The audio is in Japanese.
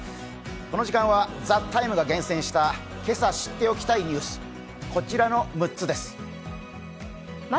この時間は「ＴＨＥＴＩＭＥ，」が厳選した今朝知っておきたいニュースこちらの６つです。